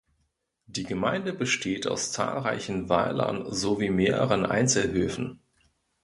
Die Gemeinde besteht aus zahlreichen Weilern sowie mehreren Einzelhöfen.